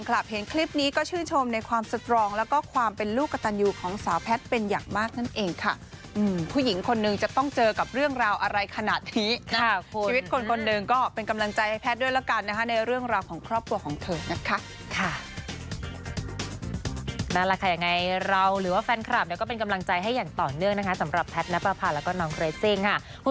เรื่องราวอะไรขนาดนี้ชีวิตคนคนหนึ่งก็เป็นกำลังใจให้แพทย์ด้วยละกันในเรื่องราวของครอบครัวของเธอนะคะ